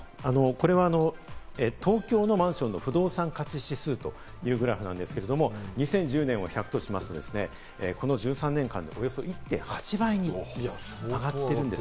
これは東京の不動産価値指数というグラフなんですが、２０１０年を１００とすると、この１３年間でおよそ１．８倍に上がっているんです。